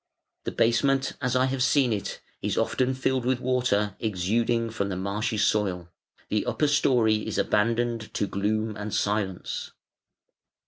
The basement, as I have seen it, is often filled with water, exuding from the marshy soil: the upper storey is abandoned to gloom and silence.